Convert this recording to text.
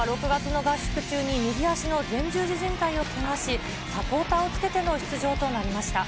廣田は６月の合宿中に右脚の前十字靭帯をけがし、サポーターをつけての出場となりました。